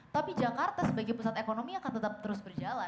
tapi jakarta sebagai pusat ekonomi akan tetap terus berjalan